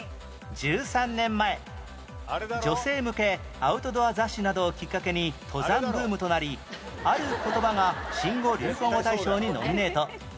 １３年前女性向けアウトドア雑誌などをきっかけに登山ブームとなりある言葉が新語・流行語大賞にノミネート